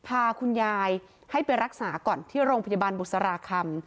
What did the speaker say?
พาคุณยายให้ไปรักษาก่อนที่โรงพยาบาลบุษราคำ